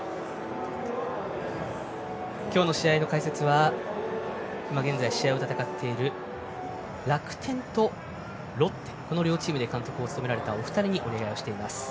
今日の試合の解説は今現在、試合を戦っている楽天とロッテ両チームで監督を務められたお二人にお願いしています。